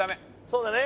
そうだね。